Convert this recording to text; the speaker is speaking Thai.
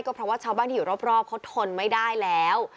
เพราะว่าชาวบ้านที่อยู่รอบเขาทนไม่ได้แล้ว